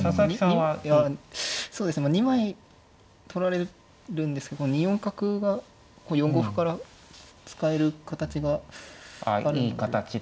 ２枚取られるんですけどこの２四角が４五歩から使える形があるんで。